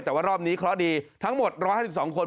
แต่ว่ารอบนี้เคราะห์ดีทั้งหมด๑๕๒คน